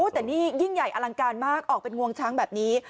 แต่นี่ยิ่งใหญ่อลังการมากออกเป็นงวงช้างแบบนี้